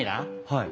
はい。